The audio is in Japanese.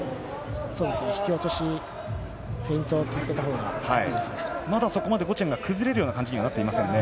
引き落とし、フェイントを続まだゴチェンが崩れるような形にはなっていませんね。